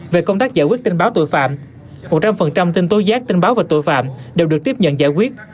về công tác giải quyết tình báo tội phạm một trăm linh tin tố giác tin báo và tội phạm đều được tiếp nhận giải quyết